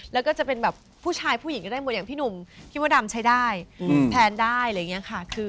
แล้วก็จะเป็นแบบผู้ชายผู้หญิงก็ได้หมดอย่างพี่หนุ่มพี่มดดำใช้ได้แทนได้อะไรอย่างนี้ค่ะ